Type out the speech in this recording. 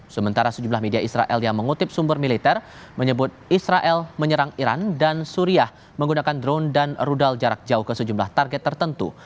sementara sejumlah media israel yang mengutip sumber militer menyebut israel menyerang iran dan suriah menggunakan drone dan rudal jarak jauh ke sejumlah target tertentu